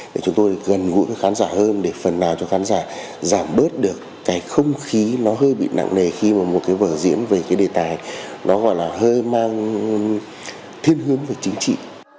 để chúng tôi gần gũi với khán giả hơn để phần nào cho khán giả giảm bớt được cái không khí nó hơi bị nặng nề khi mà một cái vở diễn về cái đề tài nó gọi là hơi mang thiên hướng về chính trị